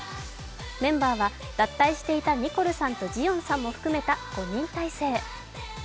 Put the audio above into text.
メンバーは脱退していたニコルさんとジヨンさんも含めた５人体制。